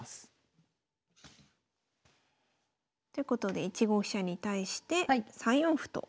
ってことで１五飛車に対して３四歩と。